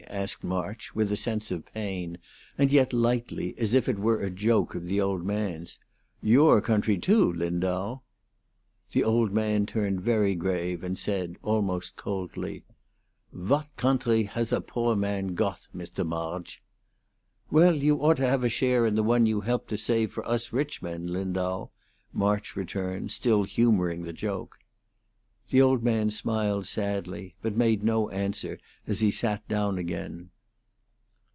asked March, with a sense of pain, and yet lightly, as if it were a joke of the old man's. "Your country, too, Lindau?" The old man turned very grave, and said, almost coldly, "What gountry hass a poor man got, Mr. Marge?" "Well, you ought to have a share in the one you helped to save for us rich men, Lindau," March returned, still humoring the joke. The old man smiled sadly, but made no answer as he sat down again.